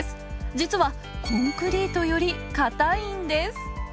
実は、コンクリートより硬いんです。